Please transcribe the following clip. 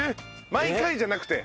毎回じゃなくて？